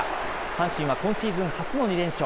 阪神は今シーズン初の２連勝。